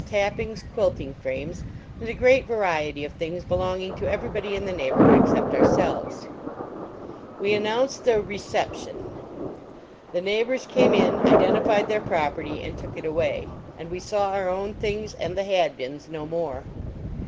Tapping > quilting frames, and a great variety of things belonging to everybody in the neighborhood except our elves. \Ve an nounced .1 " reception." the neighbors r.tme i:: A NEIGHBORLY NEIGHBORHOOD in, identified their property and took it away, and we saw our own things and the Hadbins no more.